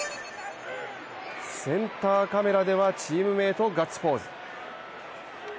センターカメラではチームメートガッツポーズ。